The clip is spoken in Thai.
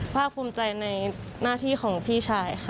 ภาคภูมิใจในหน้าที่ของพี่ชายค่ะ